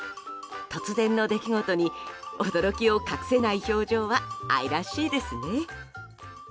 突然の出来事に驚きを隠せない表情は愛らしいですね。